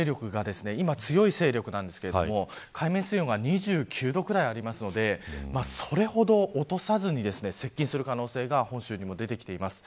今、強い勢力なんですけど海面水温が２９度くらいあるのでそれほど落とさずに接近する可能性が本州にも出てきています。